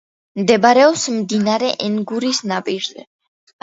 მდებარეობს მდინარე ენგურის ნაპირზე.